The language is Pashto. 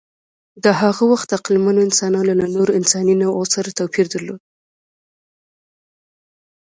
د هغه وخت عقلمنو انسانانو له نورو انساني نوعو سره توپیر درلود.